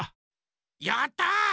やった！